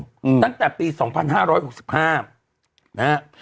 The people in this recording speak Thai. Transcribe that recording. ตั้งแต่ปีสองพันห้าร้อยหกสิบห้านะฮะ